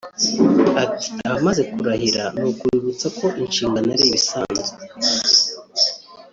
Ati “ abamaze kurahira ni ukubibutsa ko inshingano ari ibisanzwe